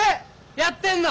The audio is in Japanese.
やってんの！